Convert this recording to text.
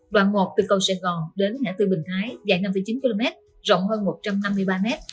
đoạn một từ cầu sài gòn đến ngã tư bình thái dài năm chín km rộng hơn một trăm năm mươi ba m